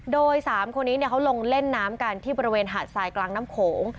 โดย๓คนนี้เขาลงเล่นน้ำกันที่บริเวณหาดทรายกลางน้ำโขง